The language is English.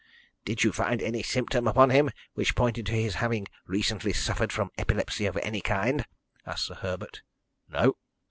"Did you find any symptom upon him which pointed to his having recently suffered from epilepsy of any kind?" asked Sir Herbert. "No."